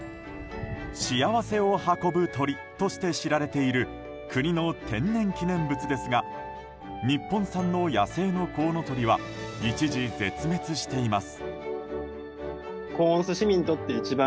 幸せを運ぶ鳥として知られている国の天然記念物ですが日本産の野生のコウノトリは一時絶滅しています。